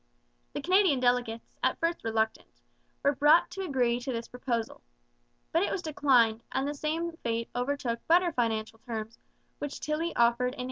The Canadian delegates, at first reluctant, were brought to agree to this proposal. But it was declined, and the same fate overtook better financial terms which Tilley offered in 1869.